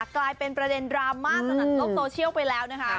กลายเป็นประเด็นดราม่าสนัดโลกโซเชียลไปแล้วนะคะ